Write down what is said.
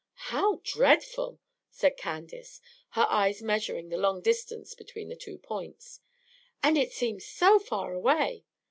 "How dreadful!" said Candace, her eyes measuring the long distance between the two points. "And it seems so far away.